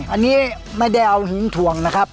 อันนี้ไม่ได้เอาหินถ่วงนะครับ